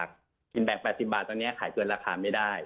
กินแบ่ง๘๐บาทตอนนี้ขายเกินราคาไม่ได้